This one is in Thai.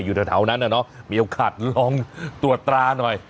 อยู่แถวนั้นน่ะเนอะมีโอกาสลองตรวจตราหน่อย